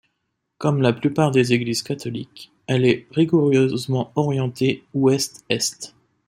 Comme la plupart des églises catholiques, elle est rigoureusement orientée ouest-est.